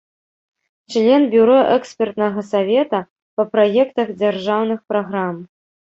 Член бюро экспертнага савета па праектах дзяржаўных праграм.